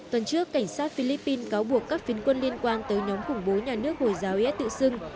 tuần trước cảnh sát philippines cáo buộc các phiến quân liên quan tới nhóm khủng bố nhà nước hồi giáo is tự xưng